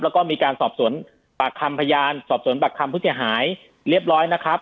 แล้วก็มีการสอบสวนปากคำพยานสอบสวนปากคำผู้เสียหายเรียบร้อยนะครับ